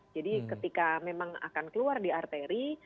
jadi ketika memang akan keluar di arteri